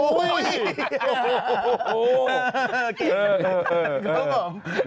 โว้วโอ้โฮ